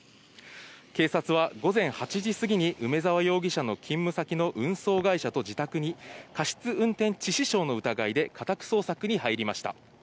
警察は午前８時過ぎに梅沢容疑者の勤務先の運送会社と自宅に過失運転致死傷の疑いで家宅捜索に入りました。